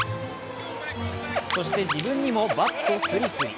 そして、自分にもバットすりすり。